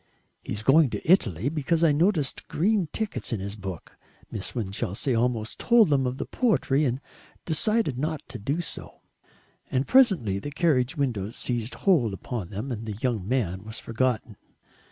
"He's going to Italy, because I noticed green tickets in his book." Miss Winchelsea almost told them of the poetry, and decided not to do so. And presently the carriage windows seized hold upon them and the young man was forgotten.